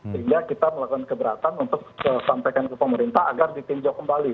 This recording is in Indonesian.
sehingga kita melakukan keberatan untuk sampaikan ke pemerintah agar ditinjau kembali